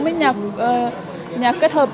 với nhạc kết hợp